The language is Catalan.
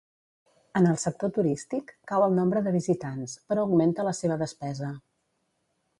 En el sector turístic, cau el nombre de visitants, però augmenta la seva despesa.